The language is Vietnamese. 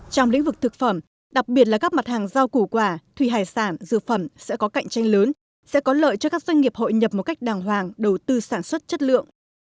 trong lĩnh vực thực phẩm đặc biệt là các mặt hàng rau củ quả thủy hải sản dược phẩm sẽ có cạnh tranh lớn sẽ có lợi cho các doanh nghiệp hội nhập một cách đàng hoàng đầu tư sản xuất chất lượng